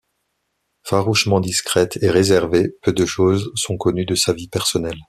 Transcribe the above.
Farouchement discrète et réservée, peu de choses sont connues de sa vie personnelle.